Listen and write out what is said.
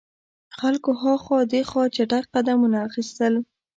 خلکو هاخوا دیخوا چټګ قدمونه اخیستل.